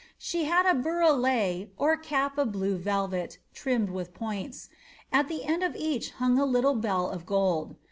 She had a booi cape of blue velvet, trimmed with points ; at the end of each little bell of gold.